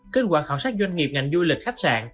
kết quả khảo sát doanh nghiệp ngành du lịch khách sạn